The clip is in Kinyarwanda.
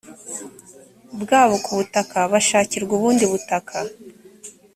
bwabo ku butaka bashakirwa ubundi butaka